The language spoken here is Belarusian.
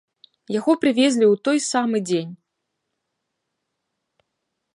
Яго прывезлі ў той самы дзень.